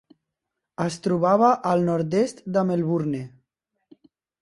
Es trobava al nord-est de Melbourne.